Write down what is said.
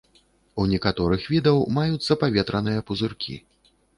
У некаторых відаў маюцца паветраныя пузыркі.